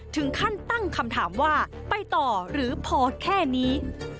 ถึงขั้นตั้งคำถามว่าไปต่อหรือพอแค่นี้